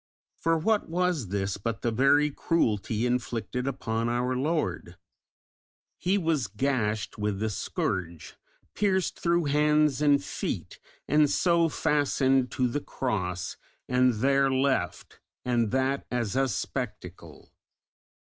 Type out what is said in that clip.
For what was this but the very cruelty inflicted upon our Lord? He was gashed with the scourge, pierced through hands and feet, and so fastened to the Cross, and there left, and that as a spectacle.